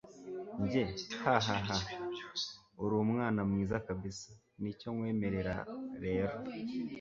njye hahaha! urumwana mwiza kabsa, nicyo nkwemerera rero